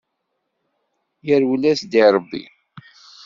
Yerwel-as-d i rebbi.